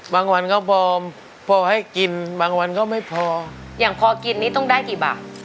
วันก็พอพอให้กินบางวันก็ไม่พออย่างพอกินนี่ต้องได้กี่บาท